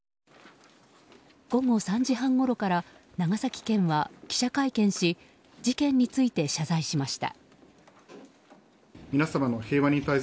午後３時半ごろから長崎県は記者会見し事件について謝罪しました。